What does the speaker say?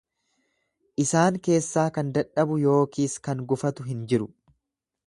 Isaan keessaa kan dadhabu yookiis kan gufatu hin jiru.